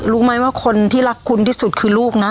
รู้ไหมว่าคนที่รักคุณที่สุดคือลูกนะ